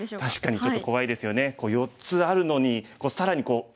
ちょっと怖いですよね。